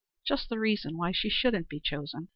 Just the reason why she shouldn't be chosen.